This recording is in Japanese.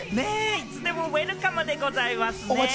いつでもウエルカムでございますね。